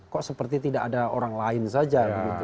kok seperti tidak ada orang lain saja